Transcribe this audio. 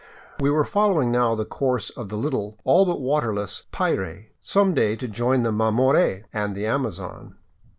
We were following now the course of the little, all but w^aterless, PIray, some day to join the Mamore and the Amazon.